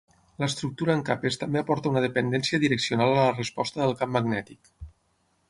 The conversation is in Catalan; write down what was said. L'estructura en capes també aporta una dependència direccional a la resposta del camp magnètic.